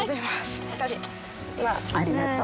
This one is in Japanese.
ありがとう。